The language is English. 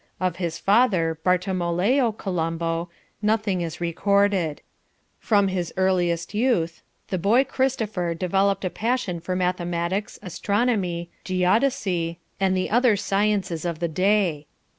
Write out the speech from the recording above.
Of his father, Bartolomeo Colombo, nothing is recorded. From his earliest youth the boy Christopher developed a passion for mathematics, astronomy, geodesy, and the other sciences of the day..."